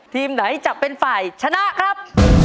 ทีมไหนจะเป็นฝ่ายชนะครับ